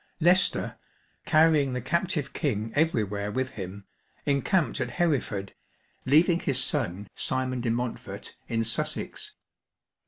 Leicester (carrying the captive King everywhere with him) encamped at Hereford, leaving his son, Simon de Montfort, in Sussex.